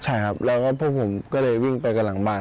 ใช่ครับแล้วก็พวกผมก็เลยวิ่งไปกันหลังบ้าน